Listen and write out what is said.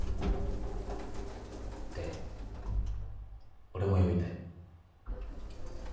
って俺も呼びたい。